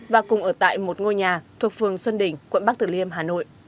và cùng ở tại một ngôi nhà thuộc phường xuân đỉnh quận bắc tử liêm hà nội